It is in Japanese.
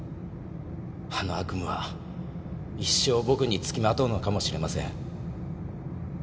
あの悪夢は一生僕に付きまとうのかもしれません。